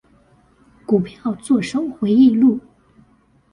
股票作手回憶錄